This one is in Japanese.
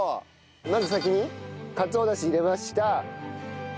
まず先にかつおだし入れました。